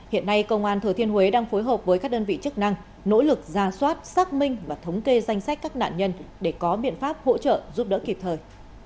hiện nay công an thừa thiên huế đang phối hợp với các đơn vị chức năng nỗ lực ra soát xác minh và thống kê danh sách các nạn nhân để có biện pháp hỗ trợ giúp đỡ kịp thời